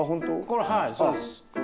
これはいそうです。